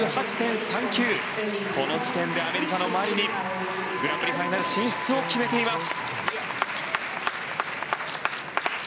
この時点でアメリカのマリニングランプリファイナル進出を決めています。